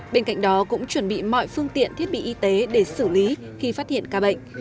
bên cạnh đó cũng chuẩn bị mọi phương tiện thiết bị y tế để xử lý khi phát hiện ca bệnh